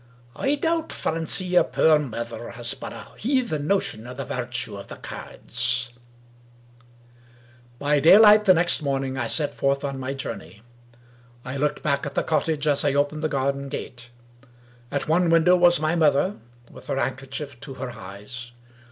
" I doubt, Francie, yer puir mither has but a heathen notion of the vairtue of the cairds !" By daylight the next morning I set forth on my journey. I looked back at the cottage as I opened the garden gate. At one window was my mother, with her handkerchief to her eyes.